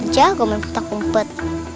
jago main petak kumpet